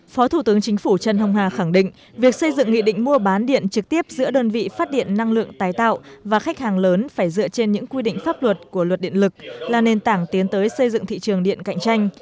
phó thủ tướng chính phủ trần hồng hà khẳng định việc xây dựng nghị định mua bán điện trực tiếp giữa đơn vị phát điện năng lượng tái tạo và khách hàng lớn phải dựa trên những quy định pháp luật của luật điện lực là nền tảng tiến tới xây dựng thị trường điện cạnh tranh